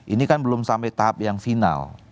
ini kan belum sampai tahap yang final